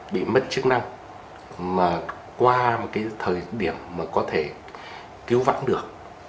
bị mất chức năng mà qua một thời điểm có thể cứu vãn được